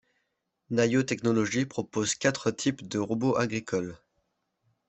Naïo Technologies proposent quatre types de robot agricole.